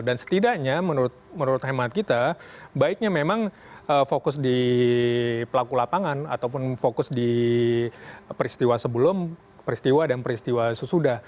dan setidaknya menurut hemat kita baiknya memang fokus di pelaku lapangan ataupun fokus di peristiwa sebelum peristiwa dan peristiwa sesudah